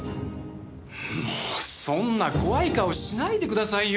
もうそんな怖い顔しないでくださいよ。